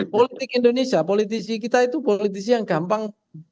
politik indonesia politisi kita itu politisi yang gampang